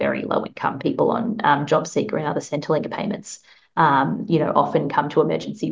orang orang yang mencari dukungan di jobseeker dan lainnya selalu datang ke penyelamat kecemasan untuk bantuan